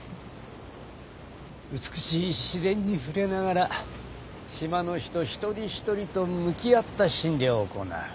美しい自然に触れながら島の人一人一人と向き合った診療を行う。